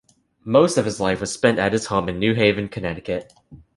Most of his life was spent at his home in New Haven, Connecticut.